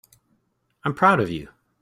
I'm proud of you.